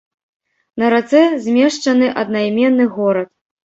На рацэ змешчаны аднайменны горад.